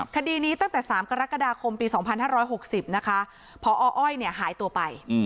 คดีนี้ตั้งแต่๓กรกฎาคมปี๒๕๖๐นะคะพออ้อยหายตัวไป